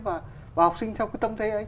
và học sinh theo cái tâm thế ấy